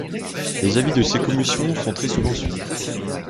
Les avis de ces commissions sont très souvent suivis.